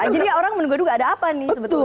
jadi orang menunggu dunggu ada apa nih sebetulnya